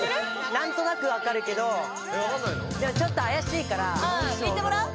何となく分かるけどちょっと怪しいからああいってもらう？